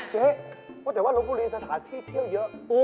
เจ๊พูดแต่ว่าลบบุรีสถานที่เที่ยวเยอะ